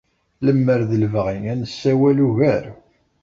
Lemmer d lebɣi, ad nessawal ugar.